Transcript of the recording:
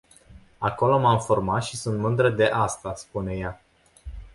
Acolo m-am format și sunt mândră de asta spune ea.